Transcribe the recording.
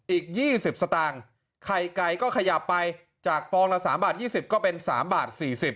อีก๒๐สตางค์ไข่ไก่ก็ขยับไปจากฟองละ๓บาท๒๐ก็เป็น๓บาท๔๐บาท